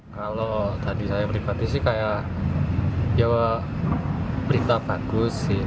kalau tadi saya pribadi sih kayak ya berita bagus sih